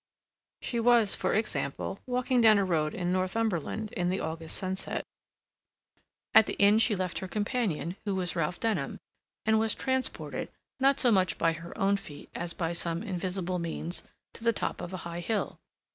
She was, for example, walking down a road in Northumberland in the August sunset; at the inn she left her companion, who was Ralph Denham, and was transported, not so much by her own feet as by some invisible means, to the top of a high hill.